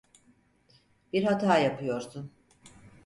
Bir hata yapıyorsun.